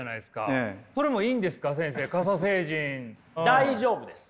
大丈夫です。